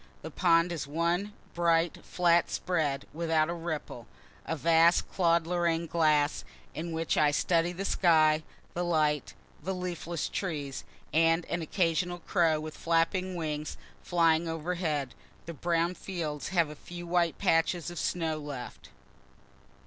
The pond is one bright, flat spread, without a ripple a vast Claude Lorraine glass, in which I study the sky, the light, the leafless trees, and an occasional crow, with flapping wings, flying overhead. The brown fields have a few white patches of snow left.